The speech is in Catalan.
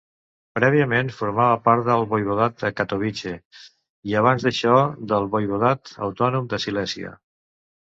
Prèviament, formava part del voivodat de Katowice, i abans d'això del voivodat autònom de Silèsia.